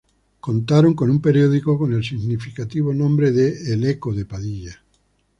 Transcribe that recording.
Contaron con un periódico con el significativo nombre de "El Eco de Padilla".